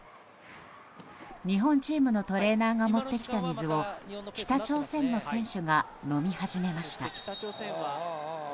日本チームのトレーナーが持ってきた水を北朝鮮の選手が飲み始めました。